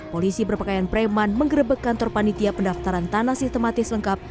polisi berpakaian preman menggerebek kantor panitia pendaftaran tanah sistematis lengkap